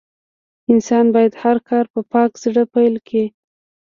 انسان بايد هر کار په پاک زړه پيل کړي.